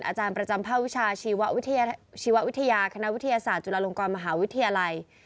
อาจารย์ประจำภาควิชาชีววิทยาคณะวิทยาศาสตร์จุฬาลงกรมหาวิทยาลัย